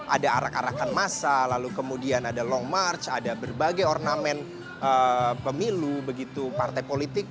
ada arak arakan massa kemudian ada long march ada berbagai ornamen pemilu partai politik